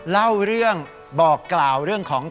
แล้วค่อยทานเจ๊อย่างน้อย